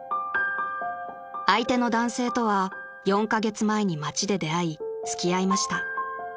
［相手の男性とは４カ月前に街で出会い付き合いました］